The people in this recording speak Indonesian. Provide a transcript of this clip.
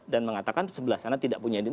dan mengatakan sebelah sana tidak punya idealisme